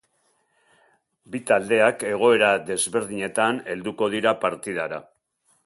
Bi taldeak egoera desberdinetan helduko dira partidara.